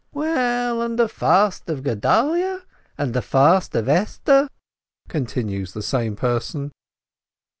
"Well, and the Fast of Gedaliah? and the Fast of Esther?" continues the same person.